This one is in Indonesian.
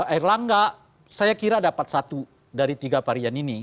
erlangga saya kira dapat satu dari tiga varian ini